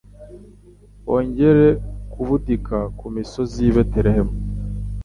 wongera kubudika ku misozi y'i Betelehemu.